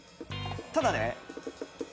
ただね